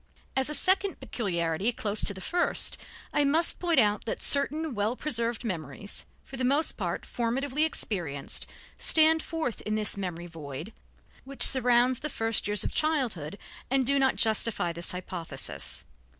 As a second peculiarity closely related to the first, I must point out that certain well preserved memories, for the most part formatively experienced, stand forth in this memory void which surrounds the first years of childhood and do not justify this hypothesis.